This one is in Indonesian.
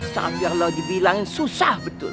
sampai biarlah dibilangin susah betul